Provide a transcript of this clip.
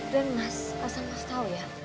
dan mas masa mas tau ya